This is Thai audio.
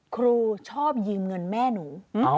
ครูชอบยืมเงินแม่หนู